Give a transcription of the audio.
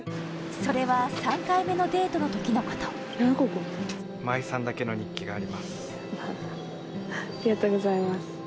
それは３回目のデートのときのこと真愛さんだけの日記があります